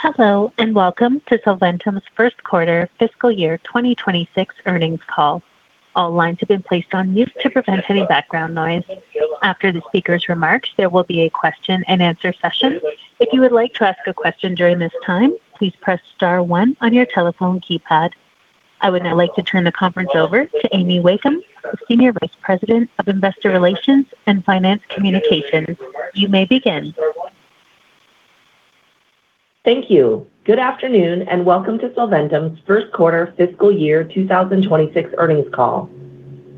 Hello, and welcome to Solventum's 1st quarter fiscal year 2026 earnings call. All lines have been placed on mute to prevent any background noise. After the speaker's remarks, there will be a question and answer session. If you would like to ask a question during this time, please Press Star one on your telephone keypad. I would now like to turn the conference over to Amy Wakeham, Senior Vice President of Investor Relations and Finance Communications. You may begin. Thank you. Good afternoon. Welcome to Solventum's first quarter fiscal year 2026 earnings call.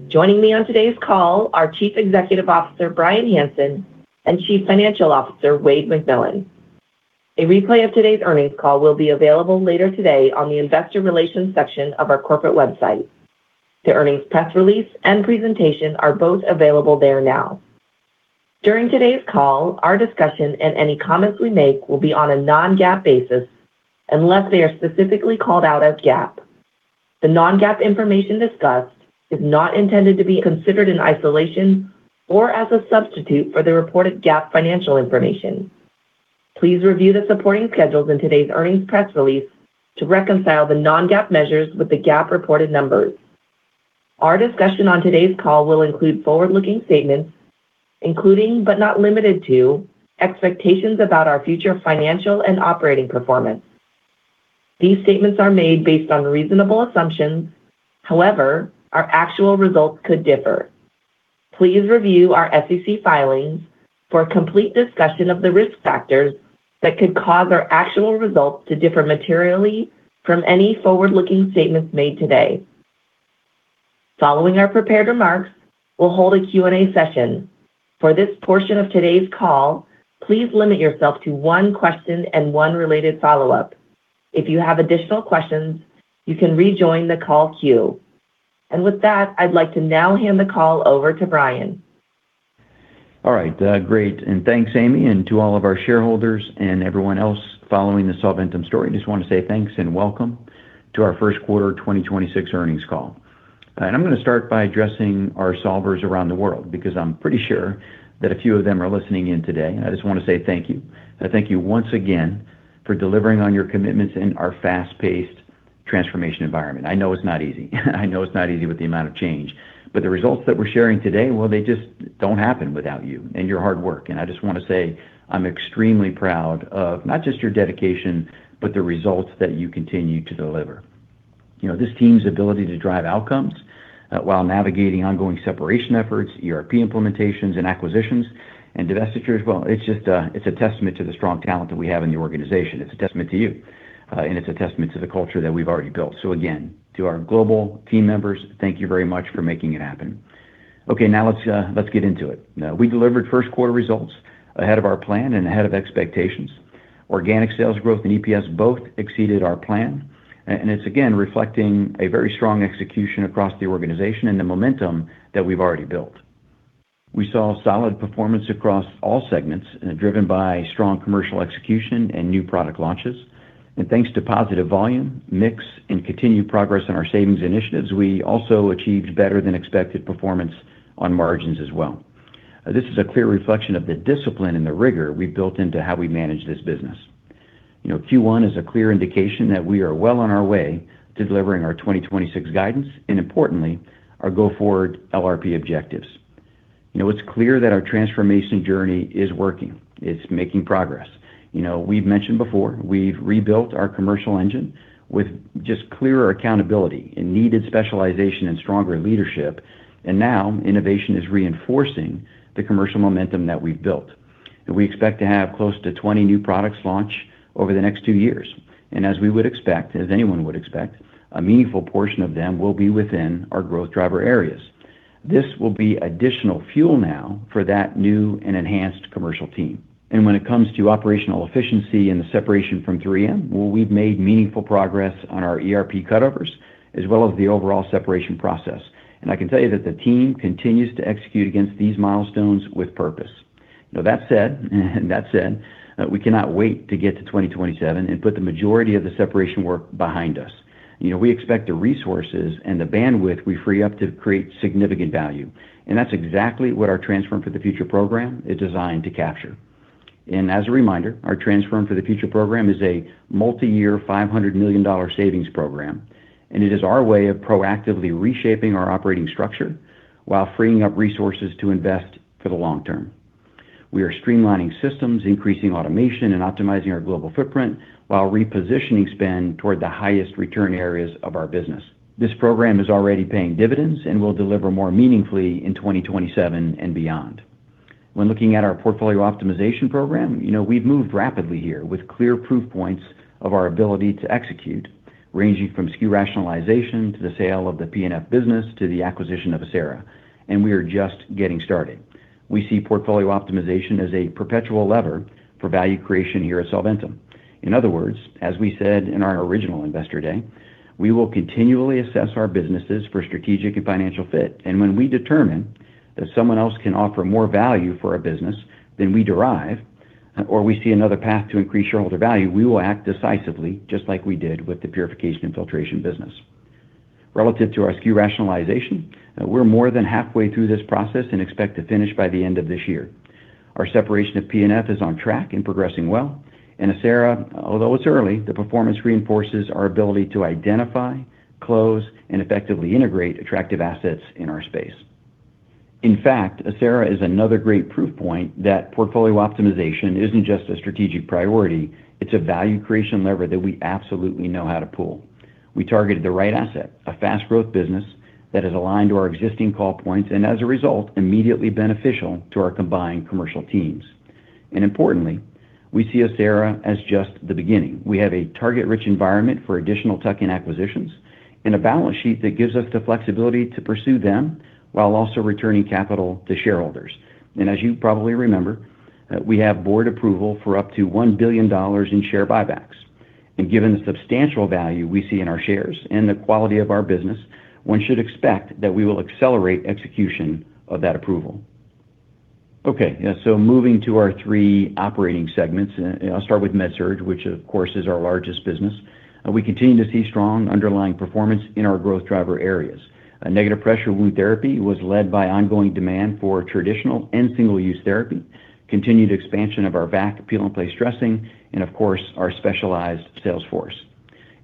Joining me on today's call are Chief Executive Officer, Bryan Hanson, and Chief Financial Officer, Wayde McMillan. A replay of today's earnings call will be available later today on the investor relations section of our corporate website. The earnings press release and presentation are both available there now. During today's call, our discussion and any comments we make will be on a non-GAAP basis unless they are specifically called out as GAAP. The non-GAAP information discussed is not intended to be considered in isolation or as a substitute for the reported GAAP financial information. Please review the supporting schedules in today's earnings press release to reconcile the non-GAAP measures with the GAAP reported numbers. Our discussion on today's call will include forward-looking statements, including, but not limited to, expectations about our future financial and operating performance. These statements are made based on reasonable assumptions. However, our actual results could differ. Please review our SEC filings for a complete discussion of the risk factors that could cause our actual results to differ materially from any forward-looking statements made today. Following our prepared remarks, we'll hold a Q&A session. For this portion of today's call, please limit yourself to one question and one related follow-up. If you have additional questions, you can rejoin the call queue. With that, I'd like to now hand the call over to Bryan. All right, great. Thanks, Amy, and to all of our shareholders and everyone else following the Solventum story. Just want to say thanks and welcome to our first quarter 2026 earnings call. I'm gonna start by addressing our solvers around the world because I'm pretty sure that a few of them are listening in today, and I just wanna say thank you. I thank you once again for delivering on your commitments in our fast-paced transformation environment. I know it's not easy. I know it's not easy with the amount of change, but the results that we're sharing today, well, they just don't happen without you and your hard work. I just wanna say I'm extremely proud of not just your dedication, but the results that you continue to deliver. You know, this team's ability to drive outcomes, while navigating ongoing separation efforts, ERP implementations and acquisitions and divestitures, well, it's just a testament to the strong talent that we have in the organization. It's a testament to you, it's a testament to the culture that we've already built. Again, to our global team members, thank you very much for making it happen. Okay, now let's get into it. We delivered 1st quarter results ahead of our plan and ahead of expectations. Organic sales growth and EPS both exceeded our plan, it's again reflecting a very strong execution across the organization and the momentum that we've already built. We saw solid performance across all segments, driven by strong commercial execution and new product launches. Thanks to positive volume, mix, and continued progress in our savings initiatives, we also achieved better than expected performance on margins as well. This is a clear reflection of the discipline and the rigor we've built into how we manage this business. You know, Q1 is a clear indication that we are well on our way to delivering our 2026 guidance, and importantly, our go forward LRP objectives. You know, it's clear that our transformation journey is working. It's making progress. You know, we've mentioned before, we've rebuilt our commercial engine with just clearer accountability and needed specialization and stronger leadership, and now innovation is reinforcing the commercial momentum that we've built. We expect to have close to 20 new products launch over the next two years. As we would expect, as anyone would expect, a meaningful portion of them will be within our growth driver areas. This will be additional fuel now for that new and enhanced commercial team. When it comes to operational efficiency and the separation from 3M, well, we've made meaningful progress on our ERP cutovers as well as the overall separation process. I can tell you that the team continues to execute against these milestones with purpose. That said, we cannot wait to get to 2027 and put the majority of the separation work behind us. You know, we expect the resources and the bandwidth we free up to create significant value, and that's exactly what our Transform for the Future program is designed to capture. As a reminder, our Transform for the Future program is a multi-year $500 million savings program, and it is our way of proactively reshaping our operating structure while freeing up resources to invest for the long term. We are streamlining systems, increasing automation, and optimizing our global footprint while repositioning spend toward the highest return areas of our business. This program is already paying dividends and will deliver more meaningfully in 2027 and beyond. When looking at our portfolio optimization program, you know, we've moved rapidly here with clear proof points of our ability to execute, ranging from SKU rationalization to the sale of the P&F business to the acquisition of Acera, and we are just getting started. We see portfolio optimization as a perpetual lever for value creation here at Solventum. In other words, as we said in our original Investor Day, we will continually assess our businesses for strategic and financial fit. When we determine that someone else can offer more value for a business than we derive, or we see another path to increase shareholder value, we will act decisively, just like we did with the Purification & Filtration business. Relative to our SKU rationalization, we're more than halfway through this process and expect to finish by the end of this year. Our separation of P&F is on track and progressing well. Acera, although it's early, the performance reinforces our ability to identify, close, and effectively integrate attractive assets in our space. In fact, Acera is another great proof point that portfolio optimization isn't just a strategic priority, it's a value creation lever that we absolutely know how to pull. We targeted the right asset, a fast growth business that is aligned to our existing call points, and as a result, immediately beneficial to our combined commercial teams. Importantly, we see Acera as just the beginning. We have a target-rich environment for additional tuck-in acquisitions and a balance sheet that gives us the flexibility to pursue them while also returning capital to shareholders. As you probably remember, we have board approval for up to $1 billion in share buybacks. Given the substantial value we see in our shares and the quality of our business, one should expect that we will accelerate execution of that approval. Moving to our three operating segments. I'll start with MedSurg, which of course is our largest business. We continue to see strong underlying performance in our growth driver areas. Negative pressure wound therapy was led by ongoing demand for traditional and single-use therapy, continued expansion of our V.A.C. Peel and Place Dressing, and of course, our specialized sales force.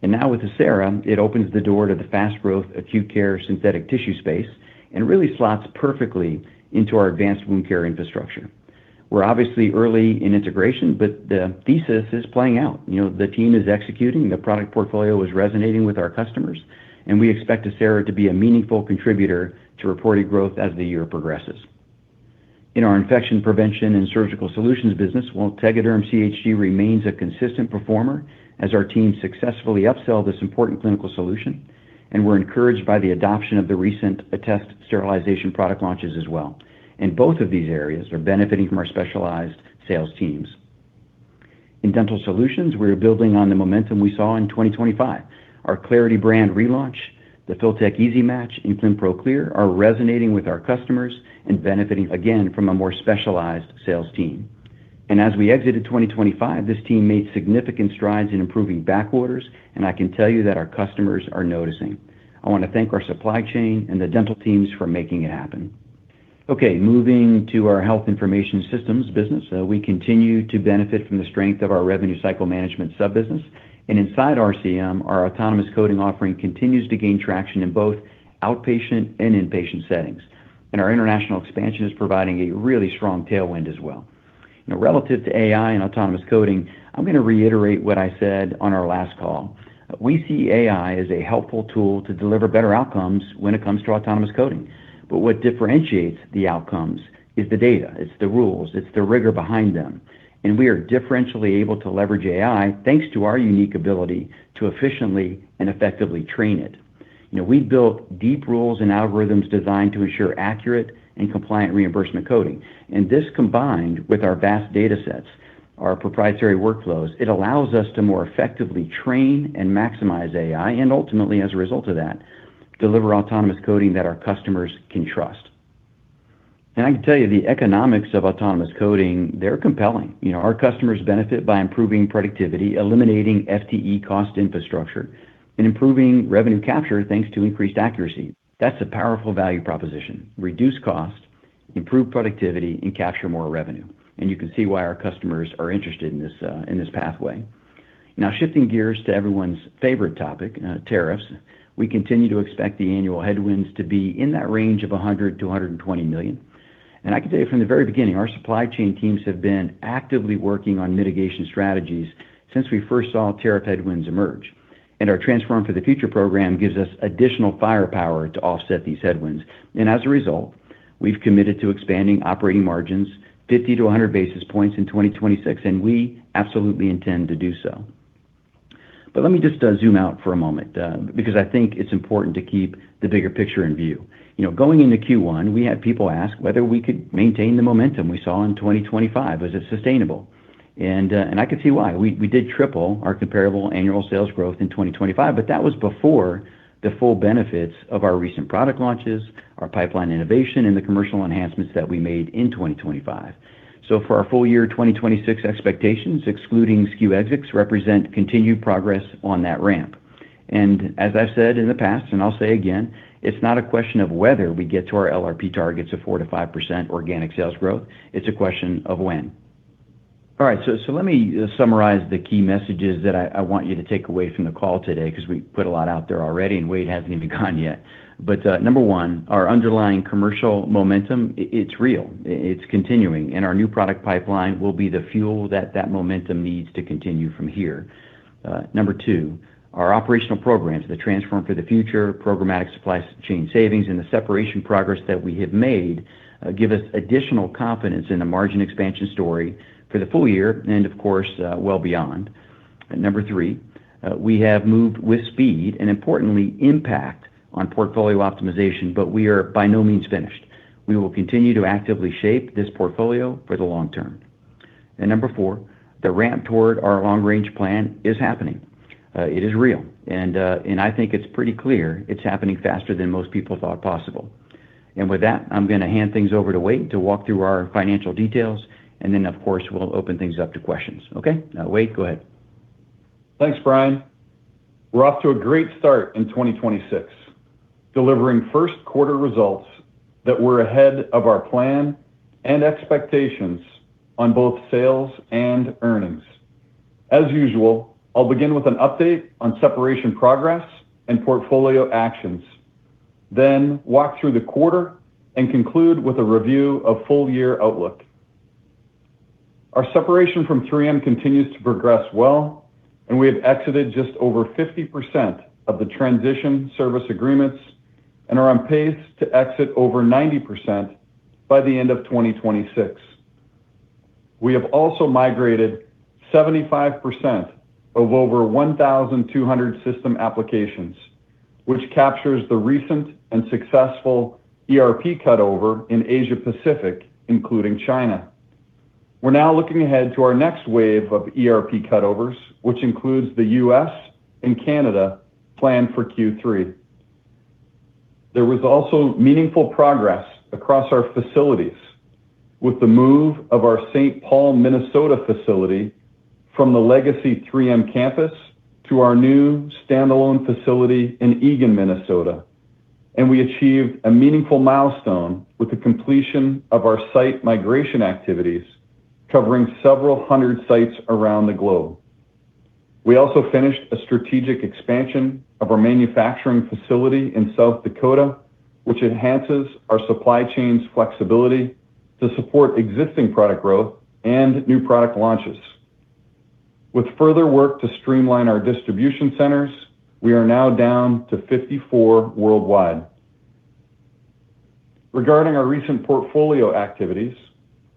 Now with Acera, it opens the door to the fast growth acute care synthetic tissue space and really slots perfectly into our advanced wound care infrastructure. We're obviously early in integration, but the thesis is playing out. You know, the team is executing, the product portfolio is resonating with our customers, and we expect Acera to be a meaningful contributor to reported growth as the year progresses. In our infection prevention and surgical solutions business, while Tegaderm CHG remains a consistent performer as our team successfully upsell this important clinical solution, we're encouraged by the adoption of the recent Attest sterilization product launches as well. Both of these areas are benefiting from our specialized sales teams. In Dental Solutions, we are building on the momentum we saw in 2025. Our Clarity brand relaunch, the Filtek Easy Match, and Clinpro Clear are resonating with our customers and benefiting again from a more specialized sales team. As we exited 2025, this team made significant strides in improving backorders, and I can tell you that our customers are noticing. I want to thank our supply chain and the dental teams for making it happen. Okay, moving to our Health Information Systems business. We continue to benefit from the strength of our revenue cycle management sub-business. Inside RCM, our autonomous coding offering continues to gain traction in both outpatient and inpatient settings. Our international expansion is providing a really strong tailwind as well. Relative to AI and autonomous coding, I'm going to reiterate what I said on our last call. We see AI as a helpful tool to deliver better outcomes when it comes to autonomous coding. What differentiates the outcomes is the data. It's the rules. It's the rigor behind them. We are differentially able to leverage AI thanks to our unique ability to efficiently and effectively train it. You know, we've built deep rules and algorithms designed to ensure accurate and compliant reimbursement coding. This combined with our vast data sets, our proprietary workflows, it allows us to more effectively train and maximize AI, and ultimately, as a result of that, deliver autonomous coding that our customers can trust. I can tell you, the economics of autonomous coding, they're compelling. You know, our customers benefit by improving productivity, eliminating FTE cost infrastructure, and improving revenue capture thanks to increased accuracy. That's a powerful value proposition. Reduce cost, improve productivity, and capture more revenue. You can see why our customers are interested in this in this pathway. Now, shifting gears to everyone's favorite topic, tariffs, we continue to expect the annual headwinds to be in that range of $100 million to $120 million. I can tell you from the very beginning, our supply chain teams have been actively working on mitigation strategies since we first saw tariff headwinds emerge. Our Transform for the Future program gives us additional firepower to offset these headwinds. As a result, we've committed to expanding operating margins 50-100 basis points in 2026, and we absolutely intend to do so. Let me just zoom out for a moment, because I think it's important to keep the bigger picture in view. You know, going into Q1, we had people ask whether we could maintain the momentum we saw in 2025. Was it sustainable? I can see why. We did triple our comparable annual sales growth in 2025, but that was before the full benefits of our recent product launches, our pipeline innovation, and the commercial enhancements that we made in 2025. For our full year 2026 expectations, excluding SKU exits, represent continued progress on that ramp. As I've said in the past, and I'll say again, it's not a question of whether we get to our LRP targets of 4%-5% organic sales growth. It's a question of when. All right, let me summarize the key messages that I want you to take away from the call today, because we put a lot out there already, and Wade hasn't even gone yet. Number one, our underlying commercial momentum, it's real, it's continuing, and our new product pipeline will be the fuel that momentum needs to continue from here. Number two, our operational programs, the Transform for the Future, programmatic supply chain savings, and the separation progress that we have made, give us additional confidence in the margin expansion story for the full year and, of course, well beyond. Number three, we have moved with speed and importantly, impact on portfolio optimization, but we are by no means finished. We will continue to actively shape this portfolio for the long term. Number four, the ramp toward our long-range plan is happening. It is real, and I think it's pretty clear it's happening faster than most people thought possible. With that, I'm gonna hand things over to Wayde to walk through our financial details, and then, of course, we'll open things up to questions. Okay? Wayde, go ahead. Thanks, Bryan Hanson. We're off to a great start in 2026, delivering first quarter results that were ahead of our plan and expectations on both sales and earnings. As usual, I'll begin with an update on separation progress and portfolio actions, then walk through the quarter and conclude with a review of full year outlook. Our separation from 3M continues to progress well. We have exited just over 50% of the transition service agreements and are on pace to exit over 90% by the end of 2026. We have also migrated 75% of over 1,200 system applications, which captures the recent and successful ERP cutover in Asia Pacific, including China. We're now looking ahead to our next wave of ERP cutovers, which includes the U.S. and Canada planned for Q3. There was also meaningful progress across our facilities with the move of our St. Paul, Minnesota facility from the legacy 3M campus to our new standalone facility in Eagan, Minnesota. We achieved a meaningful milestone with the completion of our site migration activities, covering several hundred sites around the globe. We also finished a strategic expansion of our manufacturing facility in South Dakota, which enhances our supply chain's flexibility to support existing product growth and new product launches. With further work to streamline our distribution centers, we are now down to 54 worldwide. Regarding our recent portfolio activities,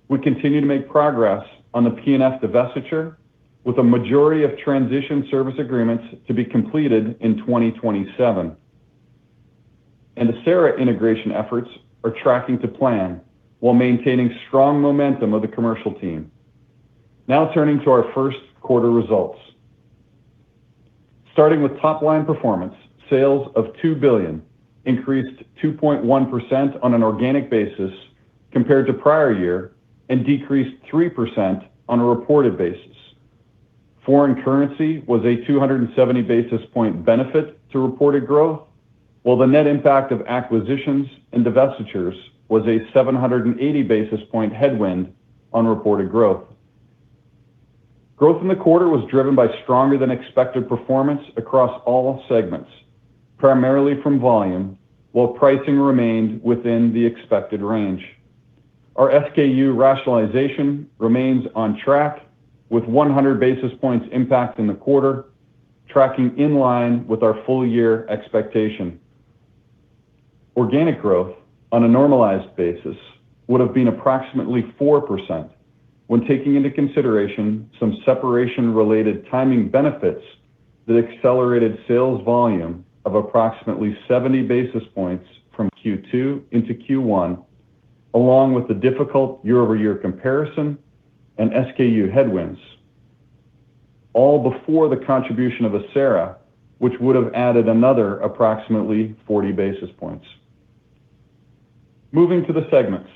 we continue to make progress on the P&F divestiture with a majority of transition service agreements to be completed in 2027. The Acera Surgical integration efforts are tracking to plan while maintaining strong momentum of the commercial team. Now, turning to our first quarter results. Starting with top line performance, sales of $2 billion increased 2.1% on an organic basis compared to prior year and decreased 3% on a reported basis. Foreign currency was a 270 basis point benefit to reported growth, while the net impact of acquisitions and divestitures was a 780 basis point headwind on reported growth. Growth in the quarter was driven by stronger than expected performance across all segments, primarily from volume while pricing remained within the expected range. Our SKU rationalization remains on track with 100 basis points impact in the quarter, tracking in line with our full year expectation. Organic growth on a normalized basis would have been approximately 4% when taking into consideration some separation related timing benefits that accelerated sales volume of approximately 70 basis points from Q2 into Q1, along with the difficult year-over-year comparison and SKU headwinds, all before the contribution of Acera, which would have added another approximately 40 basis points. Moving to the segments.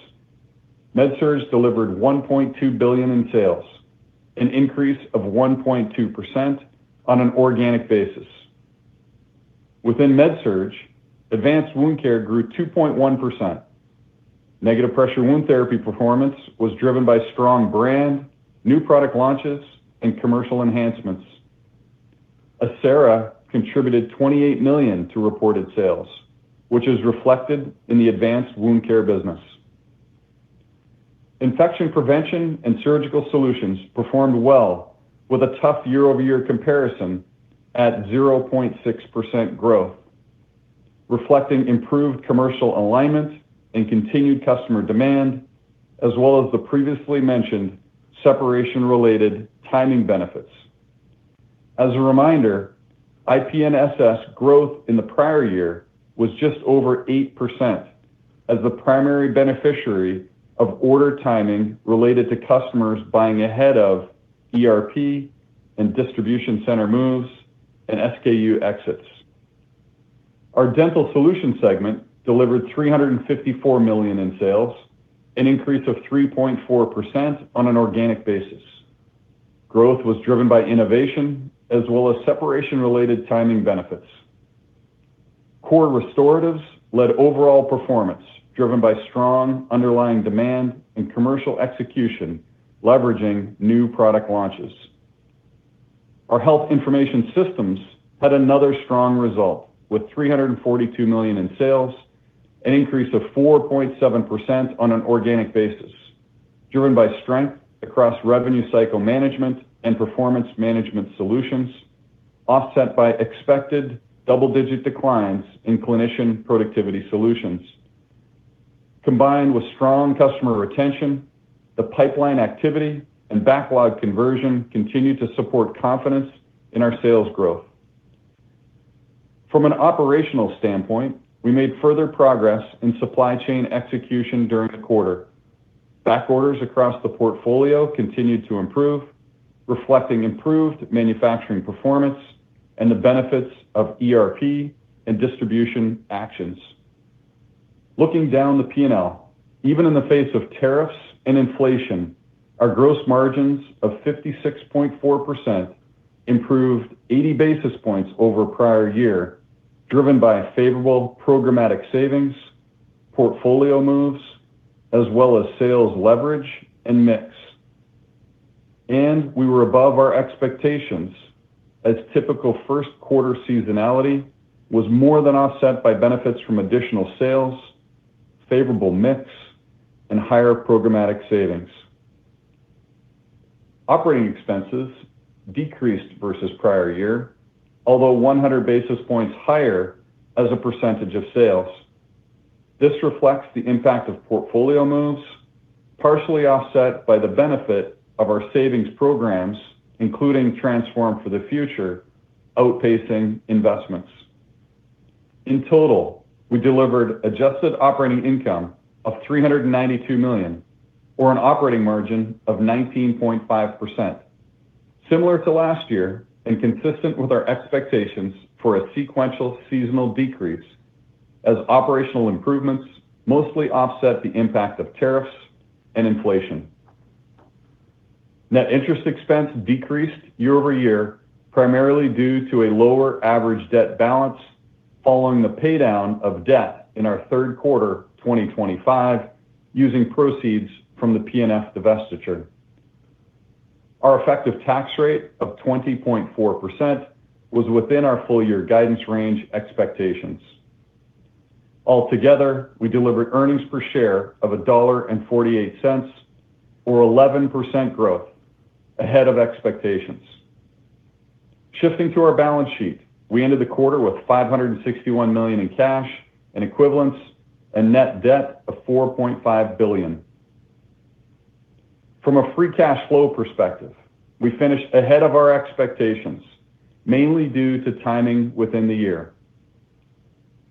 MedSurg delivered $1.2 billion in sales, an increase of 1.2% on an organic basis. Within MedSurg, advanced wound care grew 2.1%. Negative pressure wound therapy performance was driven by strong brand, new product launches, and commercial enhancements. Acera contributed $28 million to reported sales, which is reflected in the advanced wound care business. Infection Prevention and Surgical Solutions performed well with a tough year-over-year comparison at 0.6% growth, reflecting improved commercial alignment and continued customer demand, as well as the previously mentioned separation related timing benefits. As a reminder, IPNSS growth in the prior year was just over 8% as the primary beneficiary of order timing related to customers buying ahead of ERP and distribution center moves and SKU exits. Our Dental Solutions segment delivered $354 million in sales, an increase of 3.4% on an organic basis. Growth was driven by innovation as well as separation related timing benefits. Core restoratives led overall performance, driven by strong underlying demand and commercial execution, leveraging new product launches. Our Health Information Systems had another strong result with $342 million in sales, an increase of 4.7% on an organic basis, driven by strength across Revenue Cycle Management and performance management solutions, offset by expected double-digit declines in clinician productivity solutions. Combined with strong customer retention, the pipeline activity and backlog conversion continue to support confidence in our sales growth. From an operational standpoint, we made further progress in supply chain execution during the quarter. Back orders across the portfolio continued to improve, reflecting improved manufacturing performance and the benefits of ERP and distribution actions. Looking down the P&L, even in the face of tariffs and inflation, our gross margins of 56.4% improved 80 basis points over prior year, driven by favorable programmatic savings, portfolio moves, as well as sales leverage and mix. We were above our expectations as typical first quarter seasonality was more than offset by benefits from additional sales, favorable mix, and higher programmatic savings. Operating expenses decreased versus prior year, although 100 basis points higher as a percentage of sales. This reflects the impact of portfolio moves, partially offset by the benefit of our savings programs, including Transform for the Future, outpacing investments. In total, we delivered adjusted operating income of $392 million, or an operating margin of 19.5%. Similar to last year and consistent with our expectations for a sequential seasonal decrease as operational improvements mostly offset the impact of tariffs and inflation. Net interest expense decreased year-over-year, primarily due to a lower average debt balance following the pay down of debt in our third quarter 2025 using proceeds from the P&F divestiture. Our effective tax rate of 20.4% was within our full year guidance range expectations. Altogether, we delivered earnings per share of $1.48 or 11% growth ahead of expectations. Shifting to our balance sheet, we ended the quarter with $561 million in cash and equivalents and net debt of $4.5 billion. From a free cash flow perspective, we finished ahead of our expectations, mainly due to timing within the year.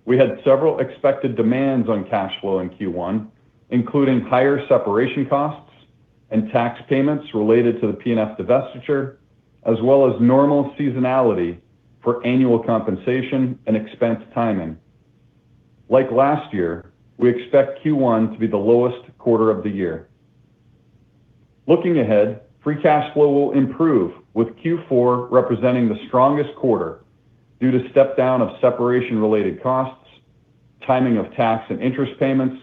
We had several expected demands on cash flow in Q1, including higher separation costs and tax payments related to the P&F divestiture, as well as normal seasonality for annual compensation and expense timing. Like last year, we expect Q1 to be the lowest quarter of the year. Looking ahead, free cash flow will improve with Q4 representing the strongest quarter due to step down of separation related costs, timing of tax and interest payments,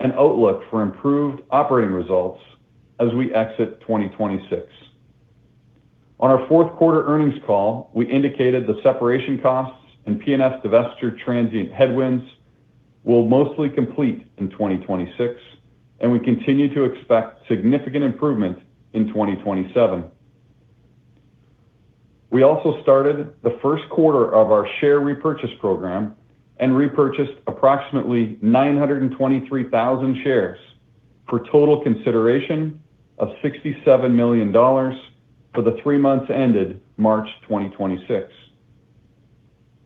and outlook for improved operating results as we exit 2026. On our fourth quarter earnings call, we indicated the separation costs and P&F divestiture transient headwinds will mostly complete in 2026. We continue to expect significant improvement in 2027. We also started the first quarter of our share repurchase program and repurchased approximately 923,000 shares for total consideration of $67 million for the three months ended March 2026.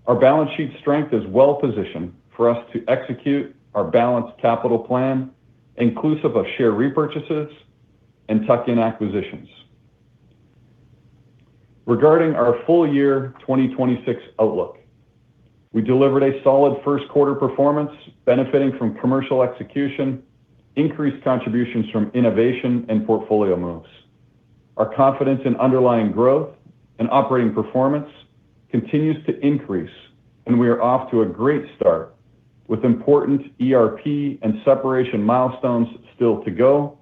Our balance sheet strength is well-positioned for us to execute our balanced capital plan, inclusive of share repurchases and tuck-in acquisitions. Regarding our full year 2026 outlook, we delivered a solid first quarter performance benefiting from commercial execution, increased contributions from innovation and portfolio moves. Our confidence in underlying growth and operating performance continues to increase. We are off to a great start with important ERP and separation milestones still to go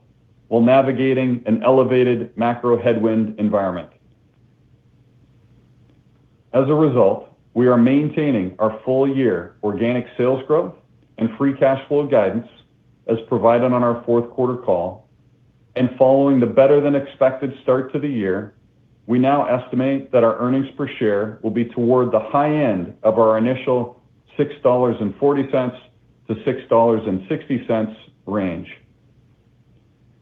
while navigating an elevated macro headwind environment. As a result, we are maintaining our full year organic sales growth and free cash flow guidance as provided on our fourth quarter call. Following the better than expected start to the year, we now estimate that our earnings per share will be toward the high end of our initial $6.40-$6.60 range.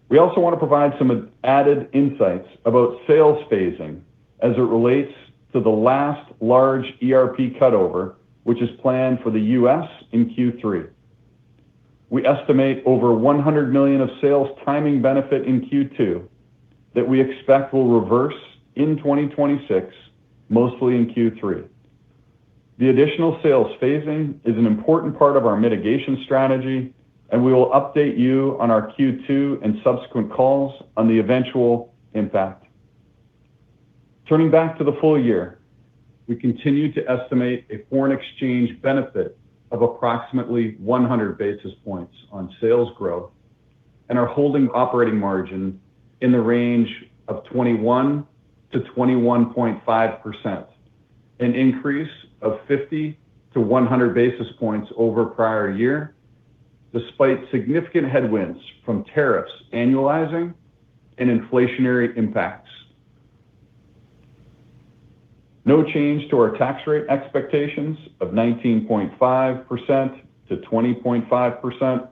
We also want to provide some added insights about sales phasing as it relates to the last large ERP cutover, which is planned for the U.S. in Q3. We estimate over $100 million of sales timing benefit in Q2 that we expect will reverse in 2026, mostly in Q3. The additional sales phasing is an important part of our mitigation strategy, and we will update you on our Q2 and subsequent calls on the eventual impact. Turning back to the full year, we continue to estimate a foreign exchange benefit of approximately 100 basis points on sales growth and are holding operating margin in the range of 21%-21.5%, an increase of 50 basis points-100 basis points over prior year, despite significant headwinds from tariffs annualizing and inflationary impacts. No change to our tax rate expectations of 19.5%-20.5%.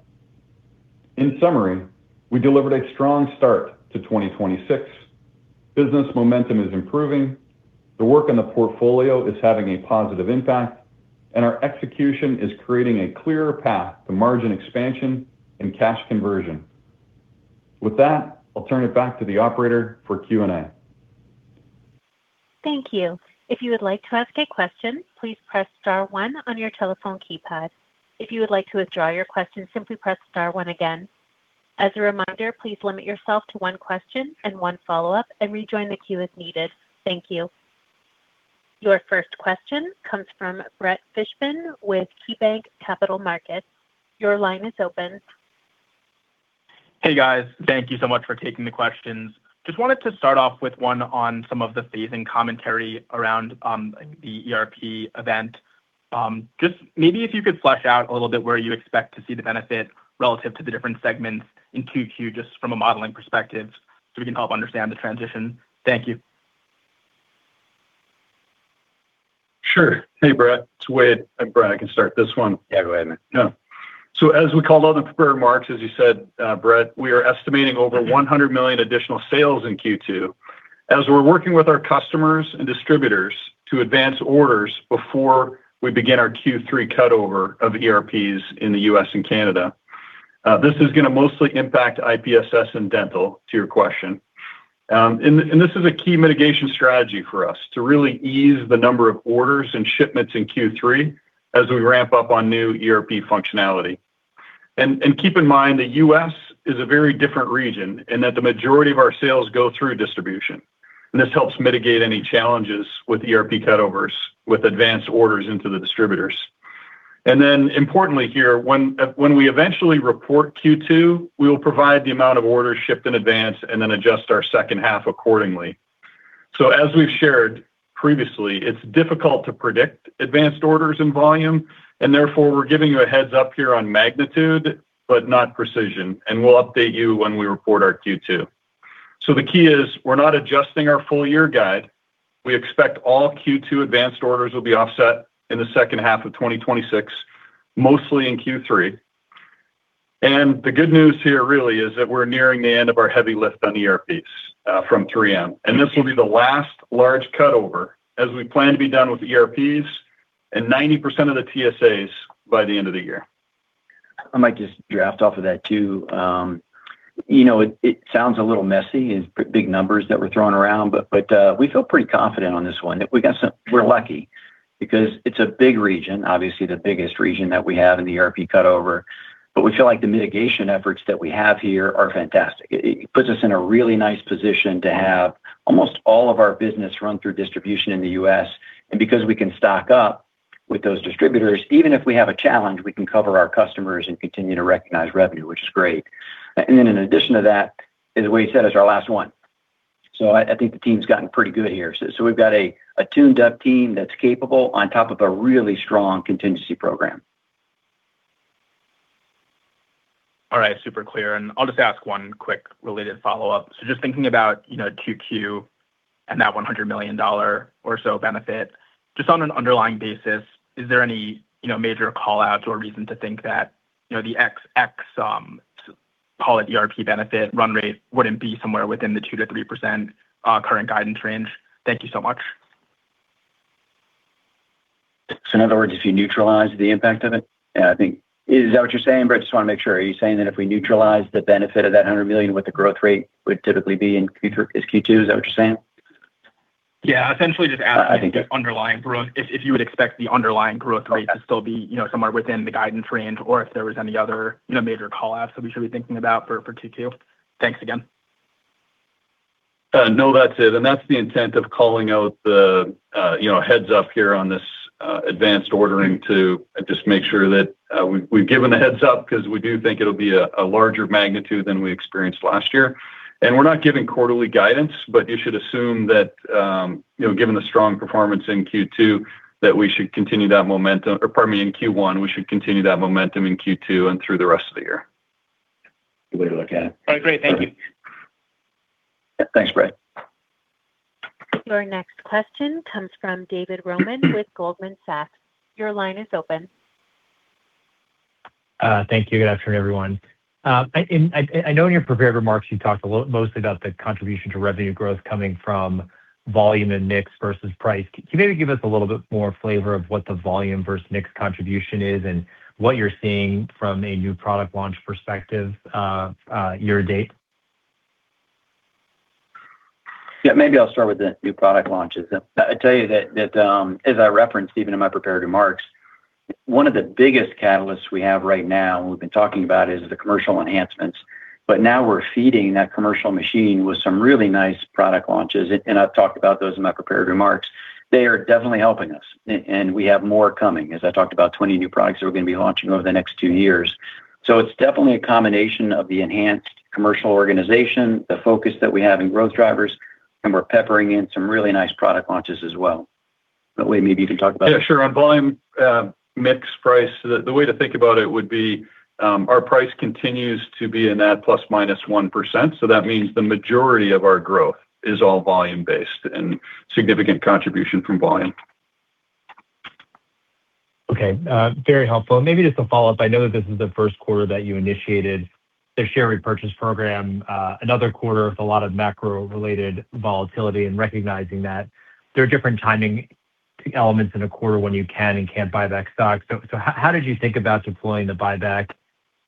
In summary, we delivered a strong start to 2026. Business momentum is improving, the work in the portfolio is having a positive impact, and our execution is creating a clearer path to margin expansion and cash conversion. With that, I'll turn it back to the operator for Q&A. Thank you. If you would like to ask a question, please Press Star one on your telephone keypad. If you would like to withdraw your question, simply Press Star one again. As a reminder, please limit yourself to one question and one follow-up, and rejoin the queue as needed. Thank you. Your first question comes from Brett Fishbin with KeyBanc Capital Markets. Your line is open. Hey, guys. Thank you so much for taking the questions. Just wanted to start off with one on some of the phasing commentary around the ERP event. Just maybe if you could flesh out a little bit where you expect to see the benefit relative to the different segments in Q2 just from a modeling perspective, so we can help understand the transition. Thank you. Sure. Hey, Brett. It's Wayde. Brett, I can start this one. Yeah. Go ahead, man. As we called out in prepared remarks, as you said, Brett, we are estimating over $100 million additional sales in Q2. As we're working with our customers and distributors to advance orders before we begin our Q3 cutover of ERPs in the U.S. and Canada. This is gonna mostly impact IPNSS and dental, to your question. This is a key mitigation strategy for us to really ease the number of orders and shipments in Q3 as we ramp up on new ERP functionality. Keep in mind, the U.S. is a very different region in that the majority of our sales go through distribution, and this helps mitigate any challenges with ERP cutovers with advanced orders into the distributors. When we eventually report Q2, we will provide the amount of orders shipped in advance and then adjust our second half accordingly. As we've shared previously, it's difficult to predict advanced orders and volume, and therefore, we're giving you a heads-up here on magnitude, but not precision, and we'll update you when we report our Q2. The key is, we're not adjusting our full year guide. We expect all Q2 advanced orders will be offset in the second half of 2026, mostly in Q3. The good news here really is that we're nearing the end of our heavy lift on ERPs from 3M. This will be the last large cutover as we plan to be done with the ERPs and 90% of the TSAs by the end of the year. I might just draft off of that too. You know, it sounds a little messy, it's big numbers that we're throwing around, but we feel pretty confident on this one, we're lucky because it's a big region, obviously the biggest region that we have in the ERP cutover. We feel like the mitigation efforts that we have here are fantastic. It puts us in a really nice position to have almost all of our business run through distribution in the U.S. Because we can stock up with those distributors, even if we have a challenge, we can cover our customers and continue to recognize revenue, which is great. Then in addition to that, as Wayde said, it's our last one. I think the team's gotten pretty good here. We've got a tuned-up team that's capable on top of a really strong contingency program. All right. Super clear. I'll just ask one quick related follow-up. Just thinking about, you know, Q2 and that $100 million or so benefit, just on an underlying basis, is there any, you know, major call-outs or reason to think that, you know, the XX, call it ERP benefit run rate wouldn't be somewhere within the 2%-3% current guidance range? Thank you so much. In other words, if you neutralize the impact of it? Yeah, I think Is that what you're saying, Brett? I just wanna make sure. Are you saying that if we neutralize the benefit of that $100 million, what the growth rate would typically be in future this Q2? Is that what you're saying? Yeah, essentially just asking- I think it- the underlying growth. If you would expect the underlying growth rate to still be, you know, somewhere within the guidance range or if there was any other, you know, major call-outs that we should be thinking about for Q2. Thanks again. No, that's it. That's the intent of calling out the, you know, heads-up here on this advanced ordering to just make sure that we've given the heads-up 'cause we do think it'll be a larger magnitude than we experienced last year. We're not giving quarterly guidance, but you should assume that, you know, given the strong performance in Q1, we should continue that momentum in Q2 and through the rest of the year. Good way to look at it. All right. Great. Thank you. Yeah. Thanks, Brett. Your next question comes from David Roman with Goldman Sachs. Your line is open. Thank you. Good afternoon, everyone. I know in your prepared remarks you talked mostly about the contribution to revenue growth coming from volume and mix versus price. Can you maybe give us a little bit more flavor of what the volume versus mix contribution is and what you're seeing from a new product launch perspective, year to date? Yeah, maybe I'll start with the new product launches. I tell you that, as I referenced even in my prepared remarks, one of the biggest catalysts we have right now, and we've been talking about, is the commercial enhancements. Now we're feeding that commercial machine with some really nice product launches, and I've talked about those in my prepared remarks. They are definitely helping us. We have more coming, as I talked about, 20 new products that we're gonna be launching over the next two years. It's definitely a combination of the enhanced commercial organization, the focus that we have in growth drivers, and we're peppering in some really nice product launches as well. Wayde, maybe you can talk about that. Yeah, sure. On volume, mix, price, the way to think about it would be, our price continues to be in that plus/minus 1%. That means the majority of our growth is all volume-based and significant contribution from volume. Okay. very helpful. Maybe just a follow-up. I know that this is the first quarter that you initiated the share repurchase program. another quarter with a lot of macro-related volatility and recognizing that there are different timing elements in a quarter when you can and can't buy back stock. How did you think about deploying the buyback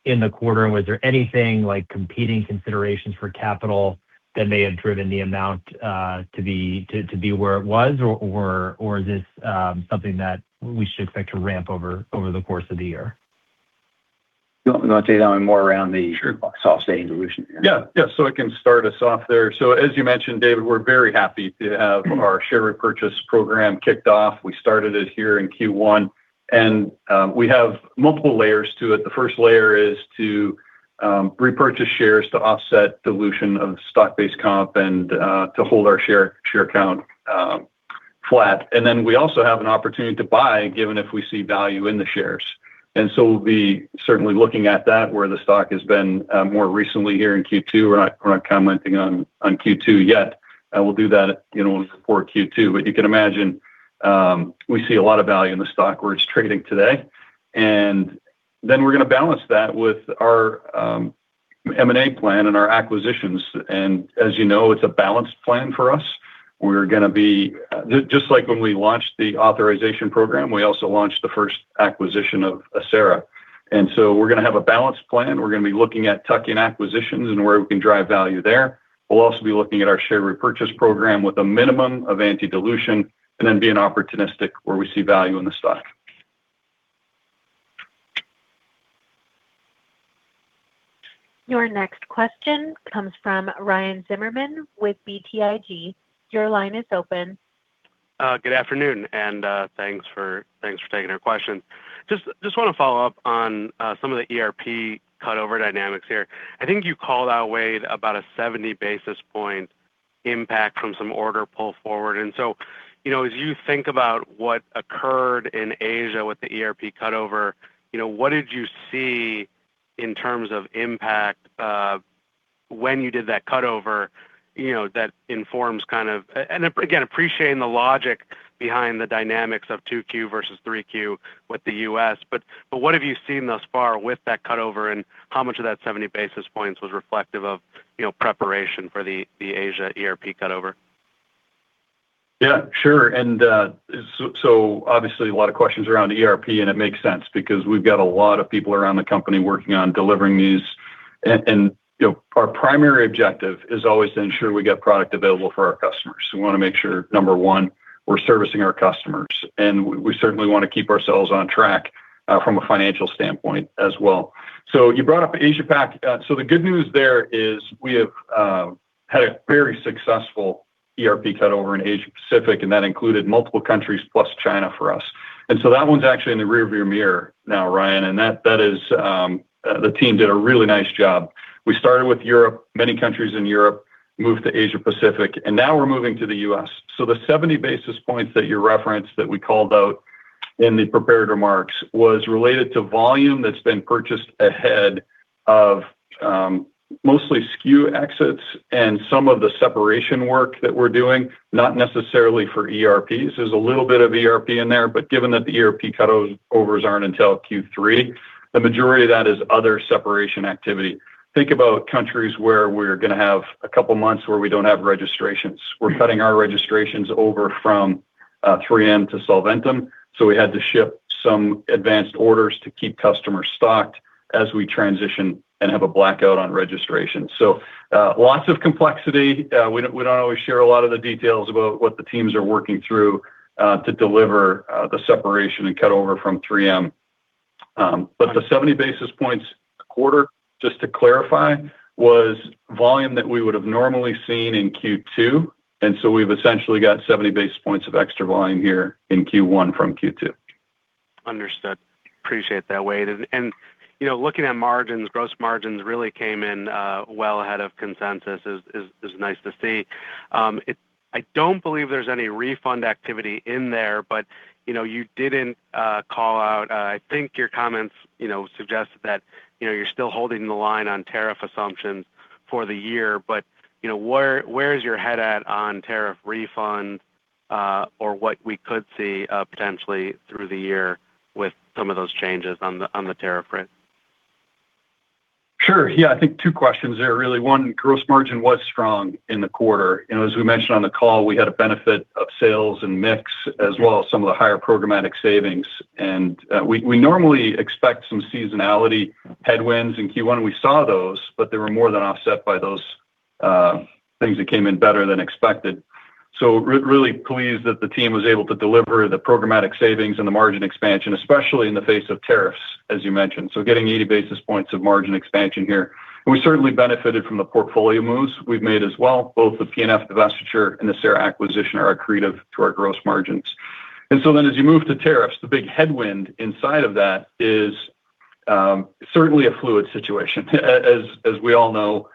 in the quarter? Was there anything like competing considerations for capital that may have driven the amount to be where it was or is this something that we should expect to ramp over the course of the year? You want to take that one more? Sure. soft state dilution here? Yeah. Yeah. I can start us off there. As you mentioned, David, we're very happy to have our share repurchase program kicked off. We started it here in Q1, and we have multiple layers to it. The first layer is to repurchase shares to offset dilution of stock-based comp and to hold our share count flat. We also have an opportunity to buy, given if we see value in the shares. We'll be certainly looking at that, where the stock has been more recently here in Q2. We're not commenting on Q2 yet. We'll do that, you know, for Q2. You can imagine, we see a lot of value in the stock where it's trading today. We're gonna balance that with our M&A plan and our acquisitions. As you know, it's a balanced plan for us. We're gonna be just like when we launched the authorization program, we also launched the first acquisition of Acera. We're gonna have a balanced plan. We're gonna be looking at tuck-in acquisitions and where we can drive value there. We'll also be looking at our share repurchase program with a minimum of anti-dilution and then being opportunistic where we see value in the stock. Your next question comes from Ryan Zimmerman with BTIG. Your line is open. Good afternoon, thanks for taking our questions. Just wanna follow up on some of the ERP cutover dynamics here. I think you called out, Wayde, about a 70 basis point impact from some order pull forward. You know, as you think about what occurred in Asia with the ERP cutover, you know, what did you see in terms of impact when you did that cutover, you know, that informs kind of again, appreciating the logic behind the dynamics of 2Q versus 3Q with the U.S., but what have you seen thus far with that cutover, and how much of that 70 basis points was reflective of, you know, preparation for the Asia ERP cutover? Yeah, sure. Obviously a lot of questions around ERP, it makes sense because we've got a lot of people around the company working on delivering these. And, you know, our primary objective is always to ensure we get product available for our customers. We wanna make sure, number one, we're servicing our customers, and we certainly wanna keep ourselves on track from a financial standpoint as well. You brought up Asia Pac. The good news there is we have had a very successful ERP cutover in Asia Pacific, and that included multiple countries plus China for us. That one's actually in the rearview mirror now, Ryan, and that is the team did a really nice job. We started with Europe, many countries in Europe, moved to Asia Pacific, and now we're moving to the U.S. The 70 basis points that you referenced that we called out in the prepared remarks was related to volume that's been purchased ahead of, mostly SKU exits and some of the separation work that we're doing, not necessarily for ERPs. There's a little bit of ERP in there, but given that the ERP cutovers aren't until Q3, the majority of that is other separation activity. Think about countries where we're gonna have a couple months where we don't have registrations. We're cutting our registrations over from 3M to Solventum, so we had to ship some advanced orders to keep customers stocked as we transition and have a blackout on registration. Lots of complexity. We don't always share a lot of the details about what the teams are working through, to deliver, the separation and cut over from 3M. The 70 basis points a quarter, just to clarify, was volume that we would've normally seen in Q2. We've essentially got 70 basis points of extra volume here in Q1 from Q2. Understood. Appreciate that, Wayde. You know, looking at margins, gross margins really came in well ahead of consensus is nice to see. I don't believe there's any refund activity in there, but, you know, you didn't call out I think your comments, you know, suggested that, you know, you're still holding the line on tariff assumptions for the year. You know, where is your head at on tariff refunds, or what we could see potentially through the year with some of those changes on the tariff front? Sure. Yeah. I think two questions there, really. one, gross margin was strong in the quarter. You know, as we mentioned on the call, we had a benefit of sales and mix, as well as some of the higher programmatic savings. We normally expect some seasonality headwinds in Q1. We saw those, they were more than offset by those things that came in better than expected. Really pleased that the team was able to deliver the programmatic savings and the margin expansion, especially in the face of tariffs, as you mentioned. Getting 80 basis points of margin expansion here. We certainly benefited from the portfolio moves we've made as well. Both the P&F divestiture and Acera acquisition are accretive to our gross margins. As you move to tariffs, the big headwind inside of that is certainly a fluid situation as we all know.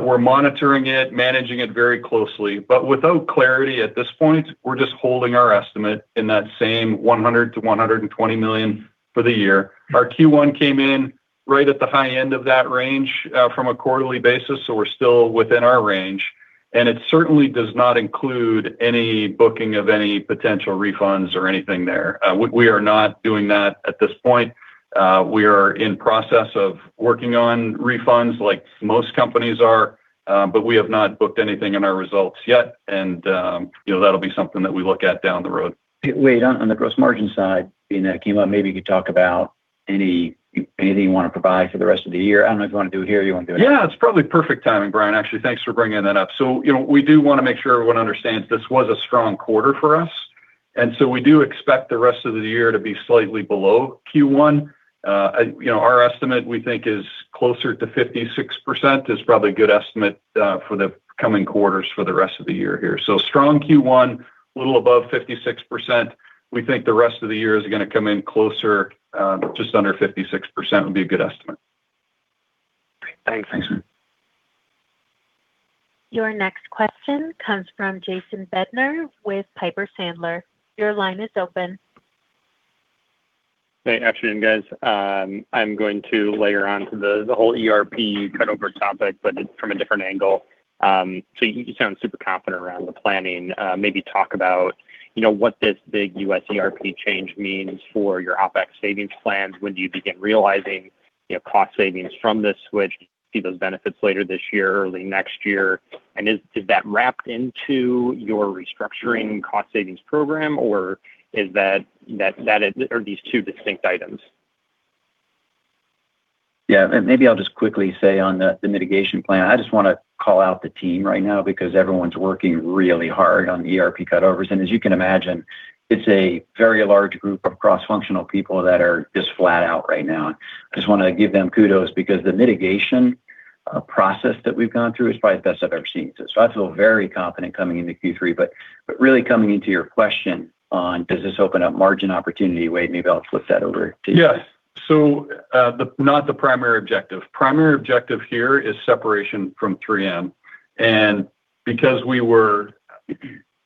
We're monitoring it, managing it very closely. Without clarity at this point, we're just holding our estimate in that same $100 million-$120 million for the year. Our Q1 came in right at the high end of that range, from a quarterly basis, so we're still within our range. It certainly does not include any booking of any potential refunds or anything there. We are not doing that at this point. We are in process of working on refunds like most companies are, but we have not booked anything in our results yet. You know, that'll be something that we look at down the road. Wayde, on the gross margin side, you know, came up, maybe you could talk about any, anything you wanna provide for the rest of the year. I don't know if you wanna do it here. Yeah, it's probably perfect timing, Bryan. Actually, thanks for bringing that up. You know, we do wanna make sure everyone understands this was a strong quarter for us, and so we do expect the rest of the year to be slightly below Q1. You know, our estimate, we think is closer to 56% is probably a good estimate for the coming quarters for the rest of the year here. Strong Q1, little above 56%. We think the rest of the year is gonna come in closer, just under 56% would be a good estimate. Thanks. Thanks, man. Your next question comes from Jason Bednar with Piper Sandler. Your line is open. Hey, afternoon, guys. I'm going to layer on to the whole ERP cutover topic, but it's from a different angle. You sound super confident around the planning. Maybe talk about, you know, what this big U.S. ERP change means for your OpEx savings plans. When do you begin realizing, you know, cost savings from this switch? Do you see those benefits later this year, early next year? Is that wrapped into your restructuring cost savings program, or are these two distinct items? Yeah. Maybe I'll just quickly say on the mitigation plan, I just want to call out the team right now because everyone's working really hard on the ERP cutovers. As you can imagine, it's a very large group of cross-functional people that are just flat out right now. I just want to give them kudos because the mitigation process that we've gone through is probably the best I've ever seen. I feel very confident coming into Q3. Really coming into your question on, does this open up margin opportunity? Wayde, maybe I'll flip that over to you. Yes. Not the primary objective. Primary objective here is separation from 3M. Because we were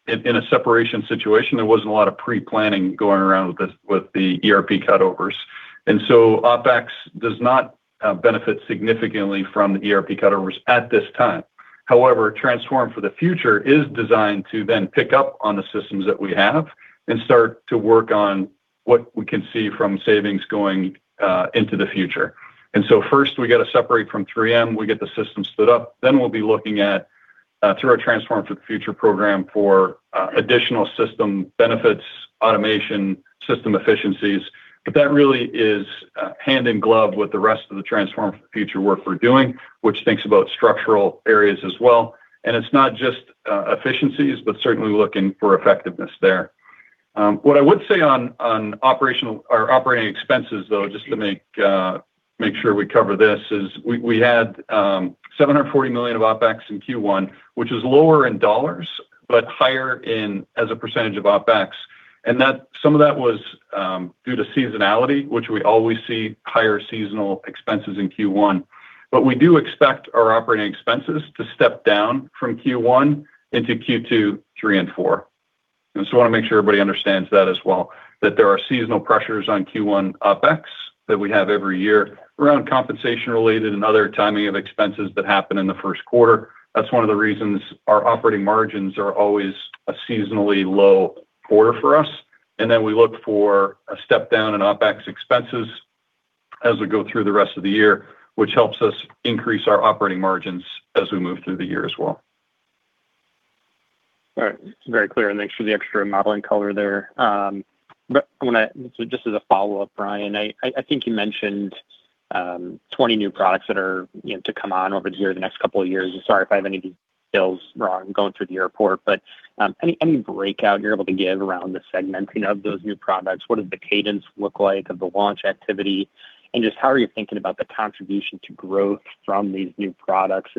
in a separation situation, there wasn't a lot of pre-planning going around with this, with the ERP cutovers. OpEx does not benefit significantly from the ERP cutovers at this time. Transform for the Future is designed to then pick up on the systems that we have and start to work on what we can see from savings going into the future. First we gotta separate from 3M. We get the system stood up, we'll be looking at through our Transform for the Future program for additional system benefits, automation, system efficiencies. That really is hand in glove with the rest of the Transform for the Future work we're doing, which thinks about structural areas as well. It's not just efficiencies, but certainly looking for effectiveness there. What I would say on operational or operating expenses, though, just to make sure we cover this, is we had $740 million of OpEx in Q1, which is lower in dollars, but higher in as a percentage of OpEx. That some of that was due to seasonality, which we always see higher seasonal expenses in Q1. We do expect our operating expenses to step down from Q1 into Q2, three and four. I wanna make sure everybody understands that as well, that there are seasonal pressures on Q1 OpEx that we have every year around compensation related and other timing of expenses that happen in the first quarter. That's one of the reasons our operating margins are always a seasonally low quarter for us. We look for a step down in OpEx expenses as we go through the rest of the year, which helps us increase our operating margins as we move through the year as well. All right. Very clear, and thanks for the extra modeling color there. Just as a follow-up, Bryan, I think you mentioned 20 new products that are, you know, to come on over the year, the next couple of years. Sorry if I have any of these details wrong going through the report. Any breakout you're able to give around the segmenting of those new products? What does the cadence look like of the launch activity? Just how are you thinking about the contribution to growth from these new products?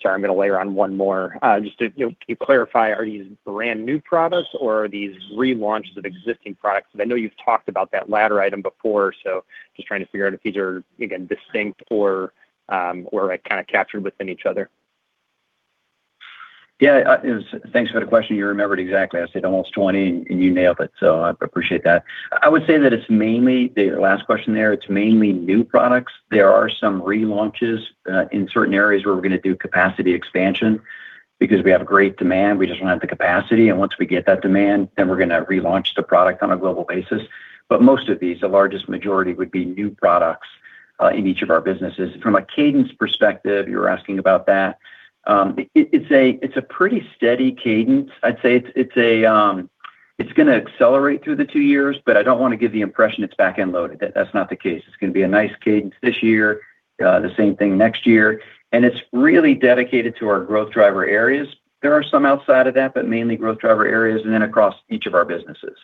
Sorry, I'm gonna layer on 1 more. Just to, you know, can you clarify, are these brand new products or are these relaunches of existing products? 'Cause I know you've talked about that latter item before, just trying to figure out if these are, again, distinct or, like, kinda captured within each other. Thanks for the question. You remembered exactly. I said almost 20, and you nailed it, so I appreciate that. I would say that it's mainly, the last question there, it's mainly new products. There are some relaunches in certain areas where we're gonna do capacity expansion because we have great demand. We just don't have the capacity. Once we get that demand, then we're gonna relaunch the product on a global basis. Most of these, the largest majority would be new products in each of our businesses. From a cadence perspective, you were asking about that. It's a pretty steady cadence. I'd say it's gonna accelerate through the two years, but I don't wanna give the impression it's back-end loaded. That's not the case. It's gonna be a nice cadence this year, the same thing next year, and it's really dedicated to our growth driver areas. There are some outside of that, mainly growth driver areas and then across each of our businesses.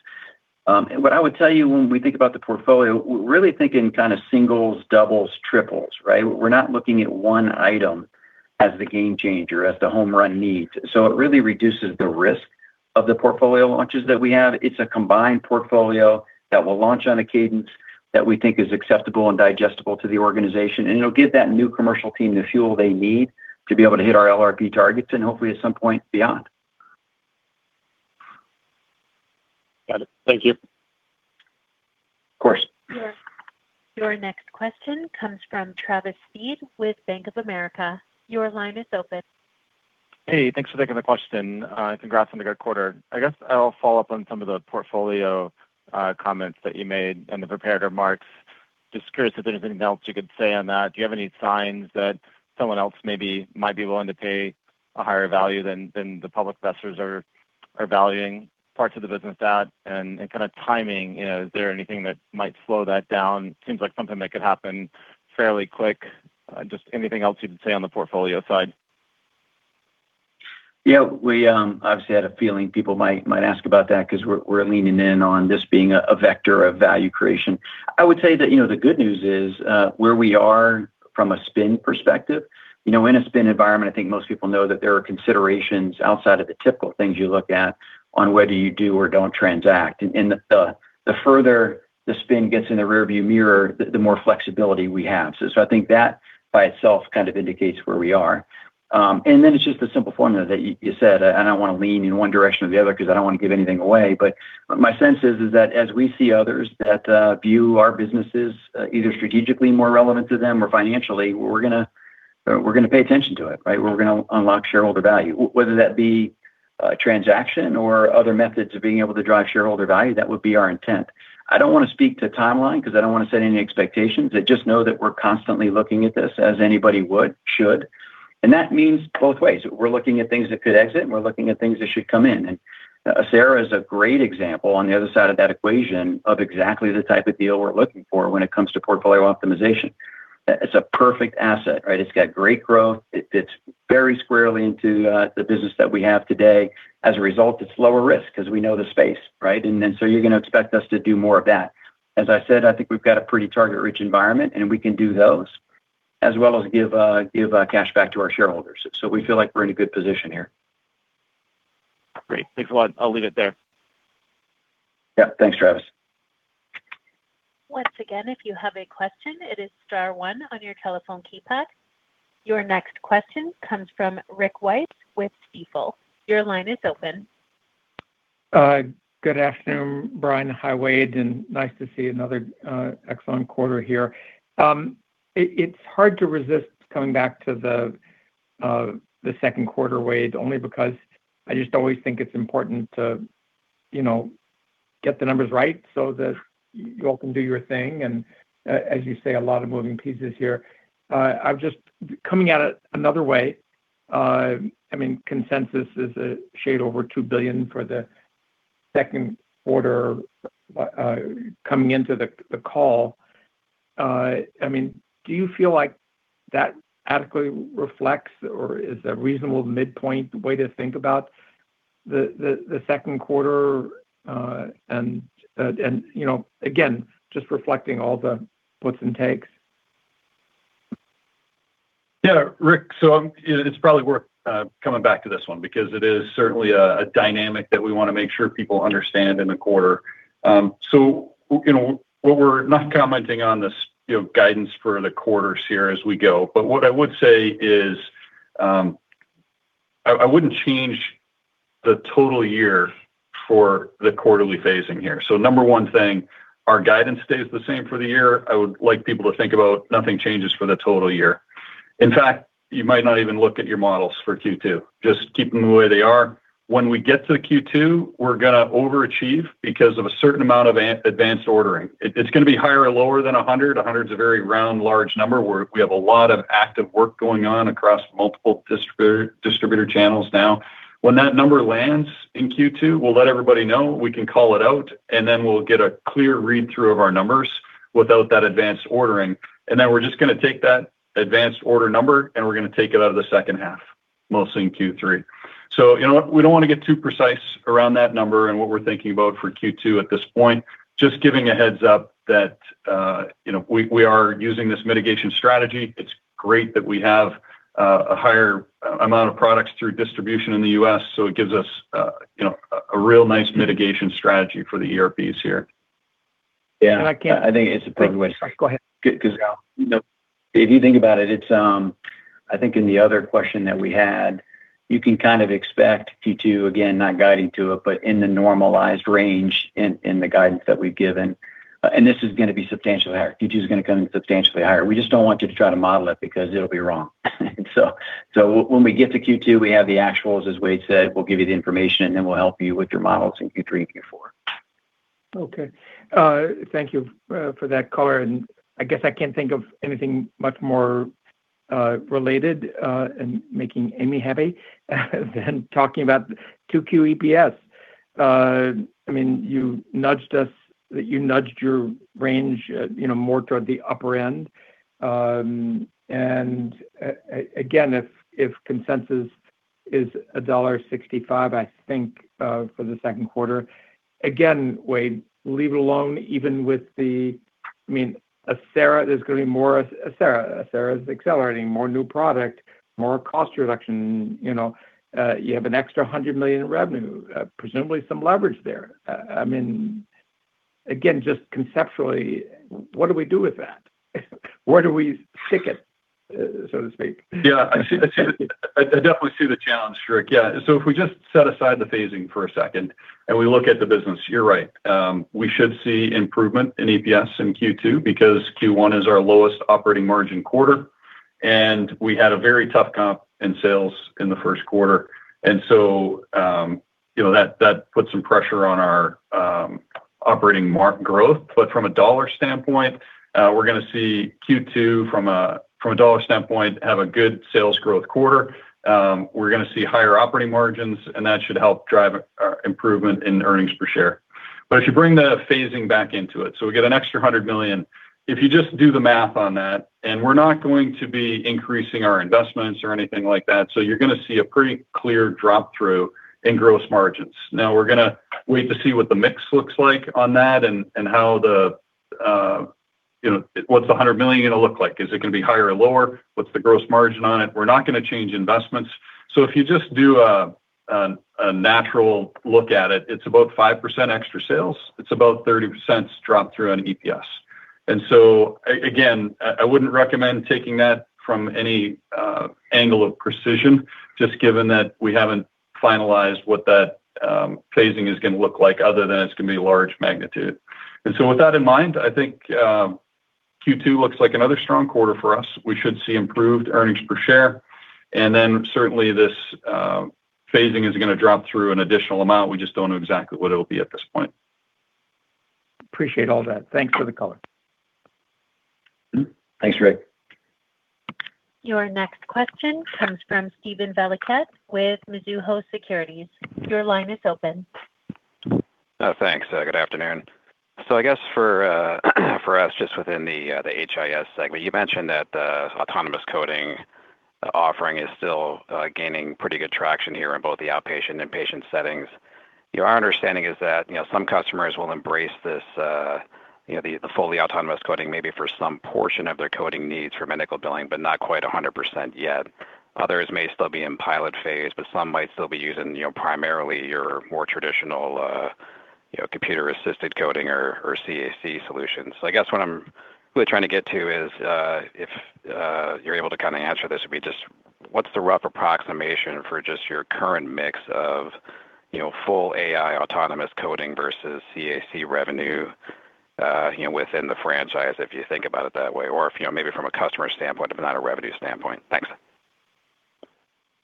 What I would tell you when we think about the portfolio, we're really thinking kinda singles, doubles, triples, right? We're not looking at one item as the game changer, as the home run need. It really reduces the risk of the portfolio launches that we have. It's a combined portfolio that will launch on a cadence that we think is acceptable and digestible to the organization, and it'll give that new commercial team the fuel they need to be able to hit our LRP targets and hopefully at some point beyond. Got it. Thank you. Your next question comes from Travis Steed with Bank of America. Your line is open. Hey, thanks for taking the question. Congrats on a good quarter. I guess I'll follow up on some of the portfolio comments that you made in the prepared remarks. Just curious if there's anything else you could say on that. Do you have any signs that someone else maybe might be willing to pay a higher value than the public investors are valuing parts of the business at? Kinda timing, you know, is there anything that might slow that down? Seems like something that could happen fairly quick. Just anything else you can say on the portfolio side? Yeah. We obviously had a feeling people might ask about that 'cause we're leaning in on this being a vector of value creation. I would say that, you know, the good news is where we are from a spin perspective, you know, in a spin environment, I think most people know that there are considerations outside of the typical things you look at on whether you do or don't transact. The further the spin gets in the rear view mirror, the more flexibility we have. I think that by itself kind of indicates where we are. Then it's just the simple formula that you said. I don't wanna lean in one direction or the other 'cause I don't wanna give anything away. My sense is that as we see others that view our businesses either strategically more relevant to them or financially, we're gonna pay attention to it, right? We're gonna unlock shareholder value. Whether that be a transaction or other methods of being able to drive shareholder value, that would be our intent. I don't wanna speak to timeline 'cause I don't wanna set any expectations. I just know that we're constantly looking at this as anybody would, should, and that means both ways. We're looking at things that could exit, and we're looking at things that should come in. Acera is a great example on the other side of that equation of exactly the type of deal we're looking for when it comes to portfolio optimization. It's a perfect asset, right? It's got great growth. It fits very squarely into the business that we have today. As a result, it's lower risk cause we know the space, right? You're gonna expect us to do more of that. As I said, I think we've got a pretty target-rich environment, and we can do those as well as give cash back to our shareholders. We feel like we're in a good position here. Great. Thanks a lot. I'll leave it there. Yeah. Thanks, Travis. Once again, if you have a question, it is star one on your telephone keypad. Your next question comes from Rick Wise with Stifel. Your line is open. Good afternoon, Bryan Hanson. Hi, Wayde McMillan, nice to see another excellent quarter here. It's hard to resist coming back to the second quarter, Wayde McMillan, only because I just always think it's important to, you know, get the numbers right so that you all can do your thing, as you say, a lot of moving pieces here. I'm just coming at it another way. I mean, consensus is a shade over $2 billion for the second quarter, coming into the call. I mean, do you feel like that adequately reflects or is a reasonable midpoint way to think about the second quarter, and, you know, again, just reflecting all the puts and takes? Rick, you know, it's probably worth coming back to this one because it is certainly a dynamic that we want to make sure people understand in the quarter. You know, what we're not commenting on the guidance for the quarters here as we go, but what I would say is, I wouldn't change the total year for the quarterly phasing here. Number 1 thing, our guidance stays the same for the year. I would like people to think about nothing changes for the total year. In fact, you might not even look at your models for Q2. Just keep them the way they are. When we get to the Q2, we're going to overachieve because of a certain amount of advanced ordering. It's going to be higher or lower than 100. 100's a very round, large number. We have a lot of active work going on across multiple distributor channels now. When that number lands in Q2, we'll let everybody know. We can call it out, we'll get a clear read-through of our numbers without that advanced ordering. We're just gonna take that advanced order number, we're gonna take it out of the 2nd half, mostly in Q3. We don't wanna get too precise around that number and what we're thinking about for Q2 at this point. Just giving a heads-up that, you know, we are using this mitigation strategy. It's great that we have a higher amount of products through distribution in the U.S., so it gives us, you know, a real nice mitigation strategy for the ERPs here. Yeah. And I can't- I think it's appropriate. Sorry. Go ahead. 'Cause, you know, if you think about it's, I think in the other question that we had, you can kind of expect Q2, again, not guiding to it, but in the normalized range in the guidance that we've given, and this is gonna be substantially higher. Q2's gonna come in substantially higher. We just don't want you to try to model it because it'll be wrong. When we get to Q2, we have the actuals, as Wayde said. We'll give you the information, and then we'll help you with your models in Q3, Q4. Okay. Thank you for that color. I guess I can't think of anything much more related and making Amy happy than talking about 2Q EPS. I mean, you nudged your range, you know, more toward the upper end. Again, if consensus is $1.65, I think for the second quarter, again, Wayde, leave it alone even with the Acera is accelerating, more new product, more cost reduction. You know, you have an extra $100 million in revenue, presumably some leverage there. I mean, again, just conceptually, what do we do with that? Where do we stick it, so to speak? Yeah, I see, I definitely see the challenge, Rick. Yeah. If we just set aside the phasing for a second and we look at the business, you're right. We should see improvement in EPS in Q2 because Q1 is our lowest operating margin quarter, and we had a very tough comp in sales in the first quarter. You know, that puts some pressure on our operating growth. From a dollar standpoint, we're gonna see Q2 from a, from a dollar standpoint, have a good sales growth quarter. We're gonna see higher operating margins, and that should help drive our improvement in earnings per share. If you bring the phasing back into it, so we get an extra $100 million. If you just do the math on that, and we're not going to be increasing our investments or anything like that, so you're gonna see a pretty clear drop-through in gross margins. Now we're gonna wait to see what the mix looks like on that and how the, you know, what's the $100 million gonna look like? Is it gonna be higher or lower? What's the gross margin on it? We're not gonna change investments. If you just do a natural look at it's about 5% extra sales. It's about $0.30 drop-through on EPS. Again, I wouldn't recommend taking that from any angle of precision, just given that we haven't finalized what that phasing is gonna look like other than it's gonna be large magnitude. With that in mind, I think Q2 looks like another strong quarter for us. We should see improved earnings per share. Certainly this phasing is gonna drop through an additional amount. We just don't know exactly what it'll be at this point. Appreciate all that. Thanks for the color. Thanks, Rick. Your next question comes from Steven Valiquette with Mizuho Securities. Your line is open. Thanks. Good afternoon. I guess for us, just within the HIS segment, you mentioned that the autonomous coding offering is still gaining pretty good traction here in both the outpatient and inpatient settings. Your understanding is that, you know, some customers will embrace this, you know, the fully autonomous coding maybe for some portion of their coding needs for medical billing, but not quite 100% yet. Others may still be in pilot phase, but some might still be using, you know, primarily your more traditional, you know, computer-assisted coding or CAC solutions. I guess what I'm really trying to get to is, if you're able to kinda answer this, would be just what's the rough approximation for just your current mix of, you know, full AI autonomous coding versus CAC revenue, you know, within the franchise, if you think about it that way? Or if, you know, maybe from a customer standpoint, if not a revenue standpoint. Thanks.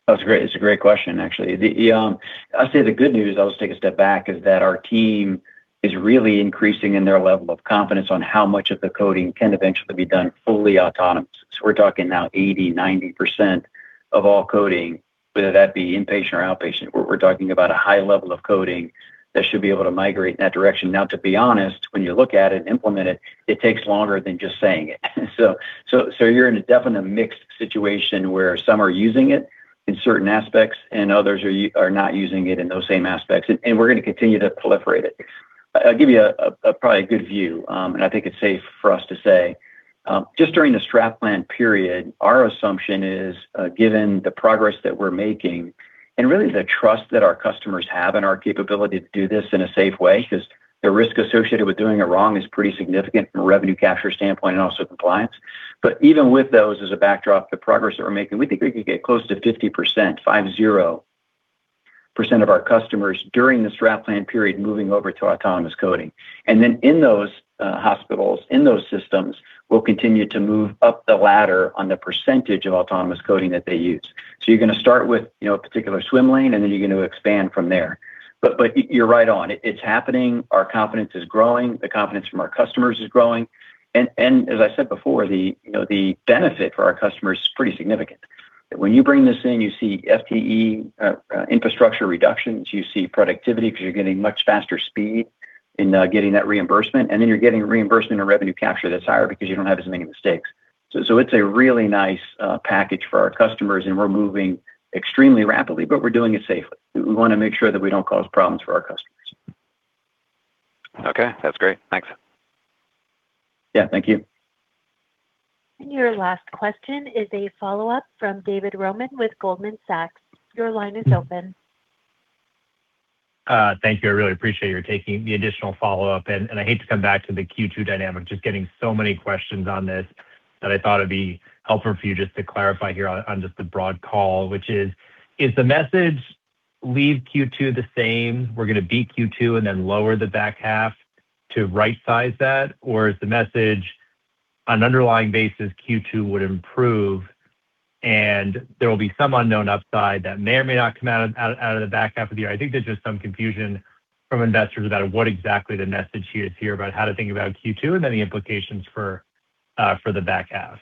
That's a great question, actually. The, I'd say the good news, I'll just take a step back, is that our team is really increasing in their level of confidence on how much of the coding can eventually be done fully autonomous. We're talking now 80%, 90% of all coding, whether that be inpatient or outpatient. We're talking about a high level of coding that should be able to migrate in that direction. To be honest, when you look at it, implement it takes longer than just saying it. You're in a definite mixed situation where some are using it in certain aspects and others are not using it in those same aspects. We're gonna continue to proliferate it. I'll give you a probably good view, and I think it's safe for us to say, just during the strap plan period, our assumption is, given the progress that we're making and really the trust that our customers have in our capability to do this in a safe way, because the risk associated with doing it wrong is pretty significant from a revenue capture standpoint and also compliance. Even with those as a backdrop, the progress that we're making, we think we could get close to 50% of our customers during the strat plan period moving over to autonomous coding. In those hospitals, in those systems, we'll continue to move up the ladder on the percentage of autonomous coding that they use. You're gonna start with, you know, a particular swim lane, and then you're gonna expand from there. You're right on. It's happening. Our confidence is growing. The confidence from our customers is growing. As I said before, the, you know, the benefit for our customers is pretty significant. When you bring this in, you see FTE infrastructure reductions, you see productivity because you're getting much faster speed in getting that reimbursement, and then you're getting reimbursement or revenue capture that's higher because you don't have as many mistakes. It's a really nice package for our customers, and we're moving extremely rapidly, but we're doing it safely. We wanna make sure that we don't cause problems for our customers. Okay, that's great. Thanks. Yeah, thank you. Your last question is a follow-up from David Roman with Goldman Sachs. Your line is open. Thank you. I really appreciate you taking the additional follow-up. I hate to come back to the Q2 dynamic. Just getting so many questions on this that I thought it would be helpful for you just to clarify here on just the broad call, which is the message leave Q2 the same, we're gonna beat Q2 and then lower the back half to right size that? Or is the message on underlying basis Q2 would improve and there will be some unknown upside that may or may not come out of the back half of the year? I think there's just some confusion from investors about what exactly the message here is about how to think about Q2 and then the implications for the back half.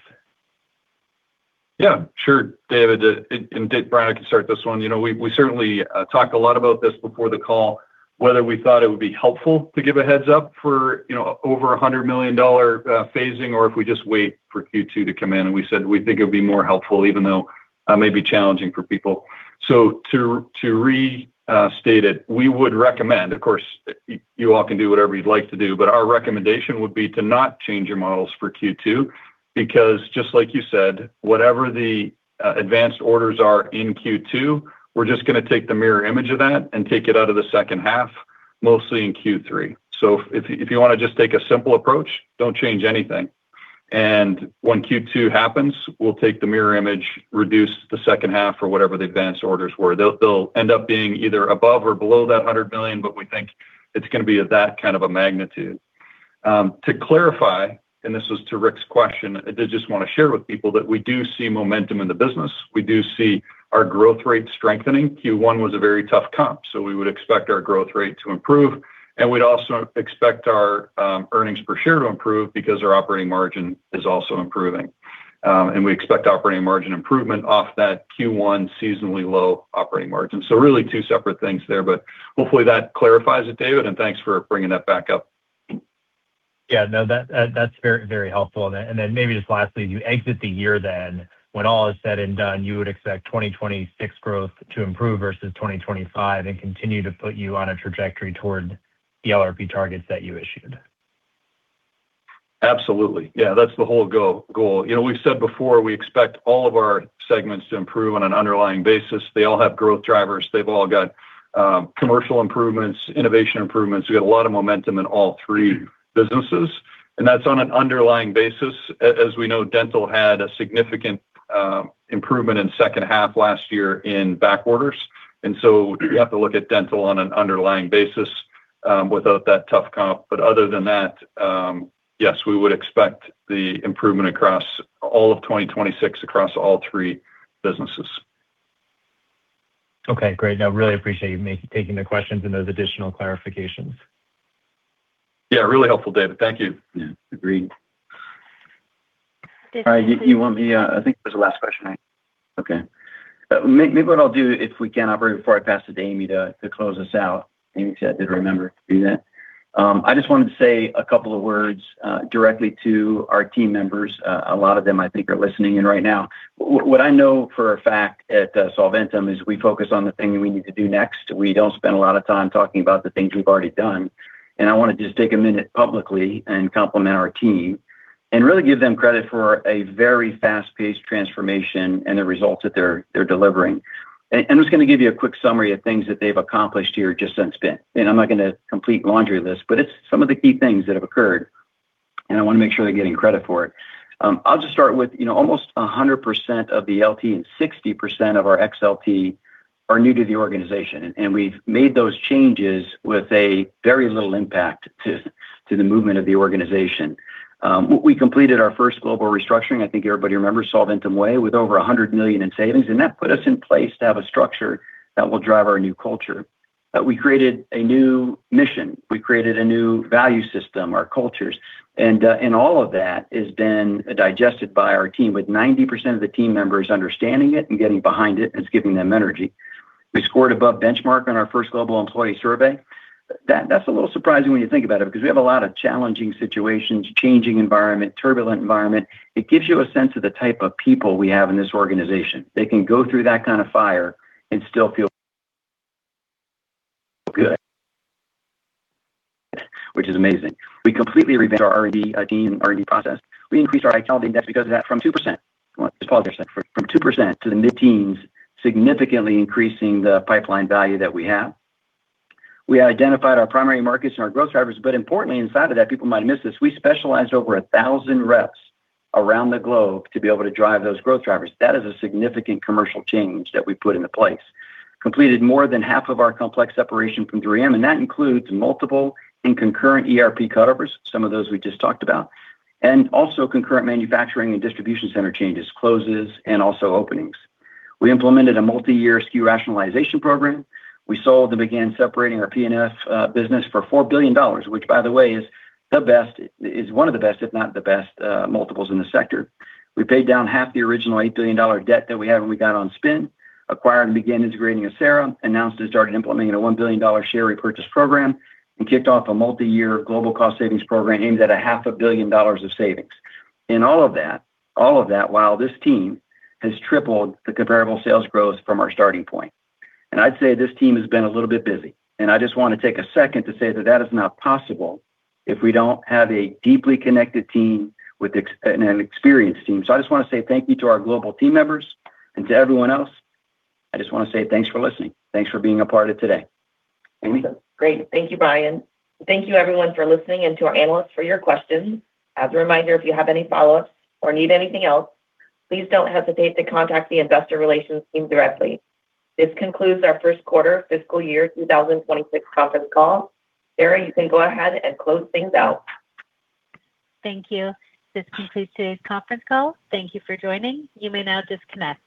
Yeah. Sure. David, and Bryan, I can start this one. You know, we certainly talked a lot about this before the call, whether we thought it would be helpful to give a heads-up for, you know, over $100 million phasing, or if we just wait for Q2 to come in. We said we think it would be more helpful, even though may be challenging for people. To restate it, we would recommend, of course, you all can do whatever you'd like to do, but our recommendation would be to not change your models for Q2 because just like you said, whatever the advanced orders are in Q2, we're just gonna take the mirror image of that and take it out of the second half. Mostly in Q3. If, if you wanna just take a simple approach, don't change anything. When Q2 happens, we'll take the mirror image, reduce the second half or whatever the advanced orders were. They'll end up being either above or below that $100 million. We think it's gonna be at that kind of a magnitude. To clarify, this was to Rick's question, I did just wanna share with people that we do see momentum in the business. We do see our growth rate strengthening. Q1 was a very tough comp, so we would expect our growth rate to improve. We'd also expect our earnings per share to improve because our operating margin is also improving. We expect operating margin improvement off that Q1 seasonally low operating margin. Really two separate things there, but hopefully that clarifies it, David, and thanks for bringing that back up. No, that's very, very helpful. Maybe just lastly, as you exit the year then, when all is said and done, you would expect 2026 growth to improve versus 2025 and continue to put you on a trajectory toward the LRP targets that you issued? Absolutely. Yeah, that's the whole go-goal. You know, we've said before, we expect all of our segments to improve on an underlying basis. They all have growth drivers. They've all got commercial improvements, innovation improvements. We got a lot of momentum in all three businesses, and that's on an underlying basis. As we know, dental had a significant improvement in second half last year in back orders. So you have to look at dental on an underlying basis without that tough comp. Other than that, yes, we would expect the improvement across all of 2026 across all three businesses. Okay, great. No, really appreciate you taking the questions and those additional clarifications. Yeah, really helpful, David. Thank you. Yeah, agreed. Did- All right, you want me, I think that was the last question, right? Okay. Maybe what I'll do, if we can, before I pass it to Amy to close us out, Amy, 'cause I did remember to do that. I just wanted to say a couple of words directly to our team members. A lot of them I think are listening in right now. What I know for a fact at Solventum is we focus on the thing that we need to do next. We don't spend a lot of time talking about the things we've already done. I wanna just take a minute publicly and compliment our team and really give them credit for a very fast-paced transformation and the results that they're delivering. I'm just gonna give you a quick summary of things that they've accomplished here just since spin. I'm not gonna complete laundry list, but it's some of the key things that have occurred, and I wanna make sure they're getting credit for it. I'll just start with, you know, almost 100% of the LT and 60% of our ex-LT are new to the organization, and we've made those changes with a very little impact to the movement of the organization. We completed our first global restructuring, I think everybody remembers Solventum Way, with over $100 million in savings, and that put us in place to have a structure that will drive our new culture. We created a new mission. We created a new value system, our cultures. All of that is then digested by our team, with 90% of the team members understanding it and getting behind it's giving them energy. We scored above benchmark on our first global employee survey. That's a little surprising when you think about it, because we have a lot of challenging situations, changing environment, turbulent environment. It gives you a sense of the type of people we have in this organization. They can go through that kind of fire and still feel good, which is amazing. We completely revamped our R&D team and R&D process. We increased our accounting depth and moved R&D from 2%. Just pause there a sec. From 2% to the mid-teens, significantly increasing the pipeline value that we have. We identified our primary markets and our growth drivers, but importantly, inside of that, people might have missed this, we specialized over 1,000 reps around the globe to be able to drive those growth drivers. That is a significant commercial change that we put into place. Completed more than half of our complex separation from 3M, and that includes multiple and concurrent ERP cutovers, some of those we just talked about, and also concurrent manufacturing and distribution center changes, closes, and also openings. We implemented a multi-year SKU rationalization program. We sold and began separating our P&F business for $4 billion, which by the way, is one of the best, if not the best, multiples in the sector. We paid down half the original eight billion dollar debt that we had when we got on spin, acquired and began integrating Acera, announced and started implementing a $1 billion share repurchase program, and kicked off a multi-year global cost savings program aimed at a half a billion dollars of savings. All of that, while this team has tripled the comparable sales growth from our starting point. I'd say this team has been a little bit busy, and I just wanna take a second to say that that is not possible if we don't have a deeply connected team with an experienced team. I just wanna say thank you to our global team members, and to everyone else, I just wanna say thanks for listening. Thanks for being a part of today. Amy? Great. Thank you, Bryan. Thank you everyone for listening and to our analysts for your questions. As a reminder, if you have any follow-ups or need anything else, please don't hesitate to contact the Investor Relations team directly. This concludes our first quarter fiscal year 2026 conference call. Sarah, you can go ahead and close things out. Thank you. This concludes today's conference call. Thank you for joining. You may now disconnect.